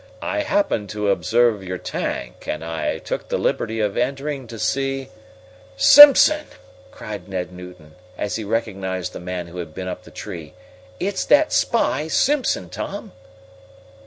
"I happened to observe your tank, and I took the liberty of entering to see " "Simpson!" cried Ned Newton, as he recognized the man who had been up the tree. "It's that spy, Simpson, Tom!"